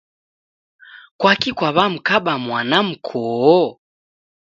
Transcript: kwaki kwaw'amkaba mwana mkoo?